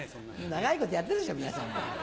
長いことやってるでしょ皆さん。